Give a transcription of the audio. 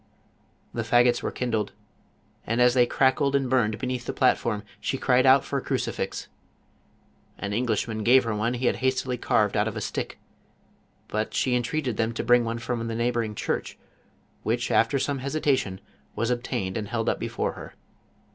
The fagots were kindled, and as they crackled and burned beneath the platform, she cried out for a cruci fix. An Englishman gave her one he had hastily carv ed out of a stick, but she entreated them to bring one from the neighboring church, which, after some hesita tion, was obtained and held up before her.